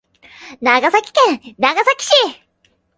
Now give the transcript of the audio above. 長崎県長崎市